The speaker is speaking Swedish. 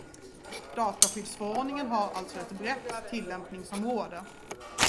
Dataskyddsförordningen har alltså ett brett tillämpningsområde.